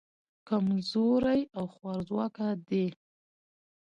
کمزوري او خوارځواکه دي.